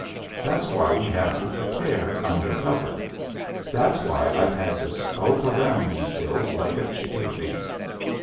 That's why we have to prepare under cover. That's why I've had to skulk around these hills like a chicken thief.